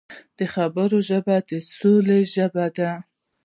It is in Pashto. د خبرو ژبه د سولې ژبه ده